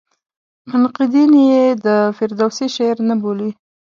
منقدین یې د فردوسي شعر نه بولي.